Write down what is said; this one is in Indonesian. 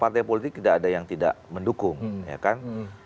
partai politik tidak ada yang tidak mendukung ya kan